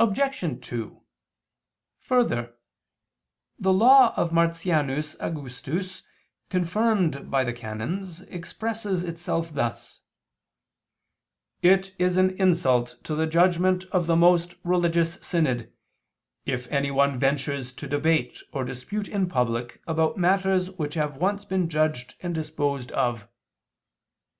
Obj. 2: Further, the law of Martianus Augustus confirmed by the canons [*De Sum. Trin. Cod. lib. i, leg. Nemo] expresses itself thus: "It is an insult to the judgment of the most religious synod, if anyone ventures to debate or dispute in public about matters which have once been judged and disposed of."